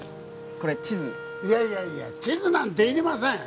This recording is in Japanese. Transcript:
これ地図いやいやいや地図なんていりません